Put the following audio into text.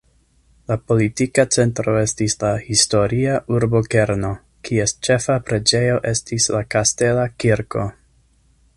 La politika centro estis la historia urbokerno, kies ĉefa preĝejo estis la kastela kirko.